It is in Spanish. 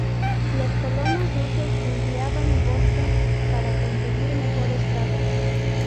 Los colonos rusos empleaban vodka para conseguir mejores tratos.